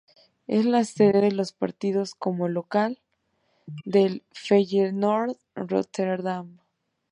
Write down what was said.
Es la sede de los partidos como local del Feyenoord Rotterdam.